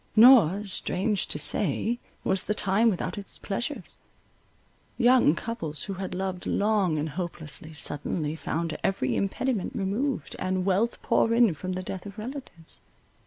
Nor, strange to say, was the time without its pleasures. Young couples, who had loved long and hopelessly, suddenly found every impediment removed, and wealth pour in from the death of relatives.